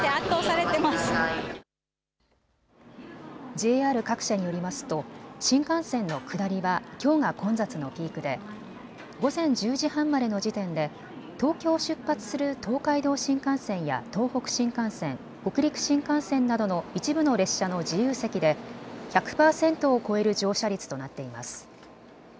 ＪＲ各社によりますと新幹線の下りはきょうが混雑のピークで午前１０時半までの時点で東京を出発する東海道新幹線や東北新幹線、北陸新幹線などの一部の列車の自由席で１００％を超える乗車率となっています。